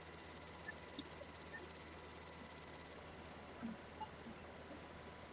Mnyama kupumulia mdomo ni dalili nyingine ya ugonjwa wa pumu